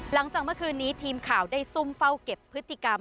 หลังจากเมื่อคืนนี้ทีมข่าวได้ซุ่มเฝ้าเก็บพฤติกรรม